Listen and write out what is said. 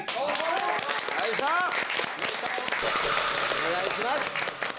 お願いします！